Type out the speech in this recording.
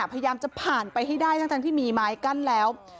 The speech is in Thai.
พยายามจะผ่านไปให้ได้ทั้งที่มีไม้กั้นแล้ว